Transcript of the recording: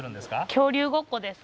恐竜ごっこです。